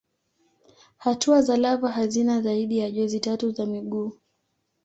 Hatua za lava hazina zaidi ya jozi tatu za miguu.